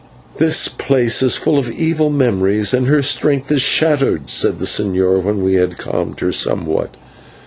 "This place is full of evil memories, and her strength is shattered," said the señor, when we had calmed her somewhat.